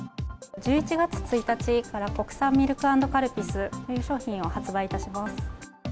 １１月１日から国産ミルク＆カルピスという商品を発売いたします。